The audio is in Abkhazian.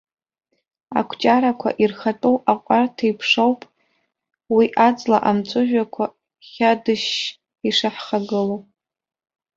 Акәҷарақәа ирхатәоу аҟәарҭ еиԥшоуп уи аҵла амҵәыжәҩақәа хьадышьшь ишаҳхагылоу.